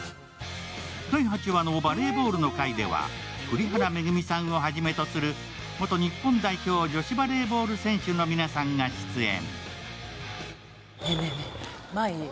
第８話のバレーボールの回では栗原恵さんをはじめとする元日本代表女子バレーボール選手の皆さんが出演。